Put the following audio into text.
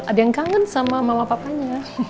ada yang kangen sama mama papanya